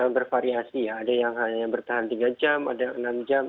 bervariasi ya ada yang hanya bertahan tiga jam ada enam jam